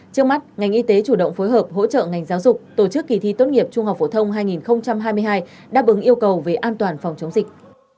trước mắt ngành y tế chủ động phối hợp hỗ trợ ngành giáo dục tổ chức kỳ thi tốt nghiệp trung học phổ thông hai nghìn hai mươi hai đáp ứng yêu cầu về an toàn phòng chống dịch